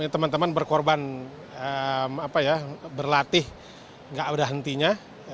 teman teman berkorban berlatih nggak ada hentinya